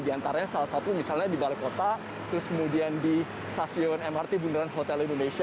di antaranya salah satu misalnya di balai kota terus kemudian di stasiun mrt bundaran hotel indonesia